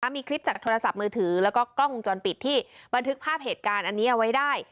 มีคลิปจากโทรศัพท์มือถือแล้วก็กล้องวงจรปิดที่บันทึกภาพเหตุการณ์อันนี้เอาไว้ได้